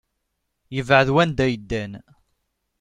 Yebɛed wanda ay ddan.